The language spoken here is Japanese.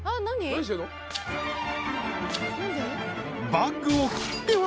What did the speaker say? ［バッグを切っては］